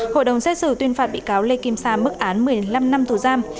hội đồng xét xử tuyên phạt bị cáo lê kim sa mức án một mươi năm năm tù giam